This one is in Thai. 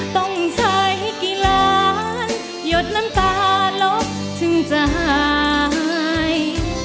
ต้องใช้กี่ล้านหยดน้ำตาลบถึงจะหาย